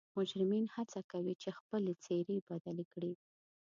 مجرمین حڅه کوي چې خپلې څیرې بدلې کړي